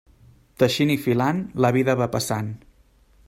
Teixint i filant, la vida va passant.